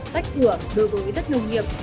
tách cửa đối với đất nông nghiệp